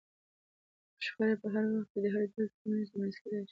شخړه په هر وخت کې د هرې ډلې ترمنځ رامنځته کېدای شي.